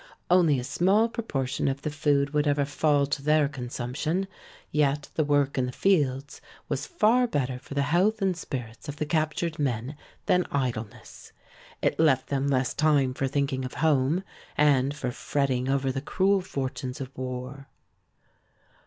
Only a small proportion of the food would ever fall to their consumption, yet the work in the fields was far better for the health and spirits of the captured men than idleness. It left them less time for thinking of home and for fretting over the cruel fortunes of war.